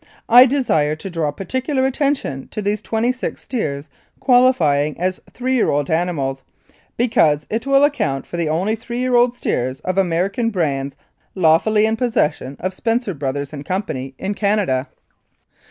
"I desire to draw particular attention to these twenty six steers qualifying as three year old animals, because it will account for the only three year old steers of American brands lawfully in possession of Spencer Bras, and Co. in Canada.